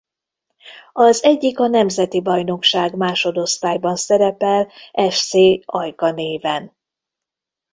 Az egyik a nemzeti bajnokság másodosztályban szerepel Fc Ajka néven.